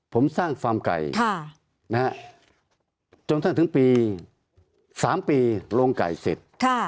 ผมสร้างฟาร์มไก่จนกระทั่งถึงปี๓ปีโรงไก่เสร็จ